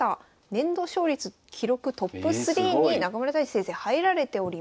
年度勝率記録トップ３に中村太地先生入られております。